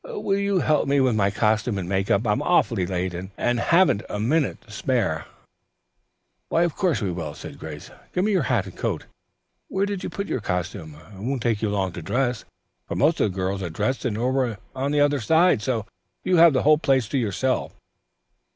Will you help me with my costume and make up? I'm awfully late, and haven't a minute to spare." "Why of course we will," said Grace. "Give me your hat and coat, dear. Where did you put your costumes? It won't take you long to dress, for most of the girls are dressed and over on the other side, so you have the place to yourself."